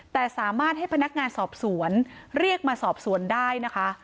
แต่สามารถให้พนักงานสอบสวนเรียกมาสอบสวนได้นะคะ